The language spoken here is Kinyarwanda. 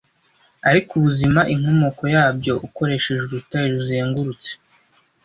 Ariko ubuzima, inkomoko yabyo, ukoresheje urutare ruzengurutse,